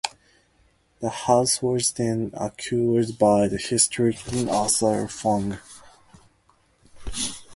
The house was then acquired by the historian Arthur Fang.